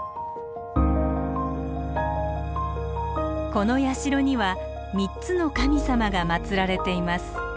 この社には３つの神様が祀られています。